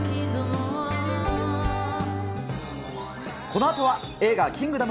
このあとは、映画、キングダ